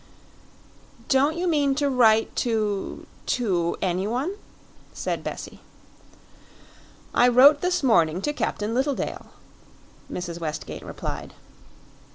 "Don't you mean to write to to anyone?" said Bessie. "I wrote this morning to Captain Littledale," Mrs. Westgate replied.